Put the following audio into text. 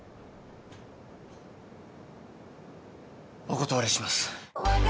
お断りします。